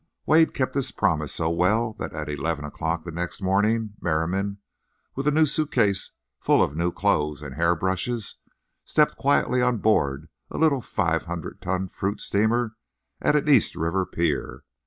Wade kept his promise so well that at eleven o'clock the next morning Merriam, with a new suit case full of new clothes and hair brushes, stepped quietly on board a little 500 ton fruit steamer at an East River pier.